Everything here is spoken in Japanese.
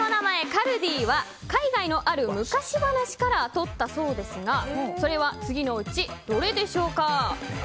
カルディは海外のある昔話からとったそうですがそれは次のうちどれでしょうか。